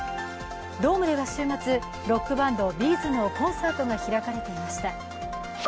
ドームでは週末、ロックバンド、Ｂ’ｚのコンサートが開かれました。